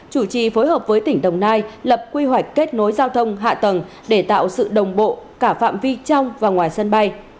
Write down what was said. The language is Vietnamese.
chủ trì phối hợp với tỉnh đồng nai lập quy hoạch kết nối giao thông hạ tầng để tạo sự đồng bộ cả phạm vi trong và ngoài sân bay